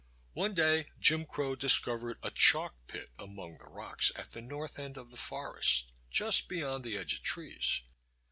One day Jim Crow discovered a chalkpit among the rocks at the north of the forest, just beyond the edge of trees.